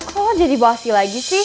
kok lo jadi bossy lagi sih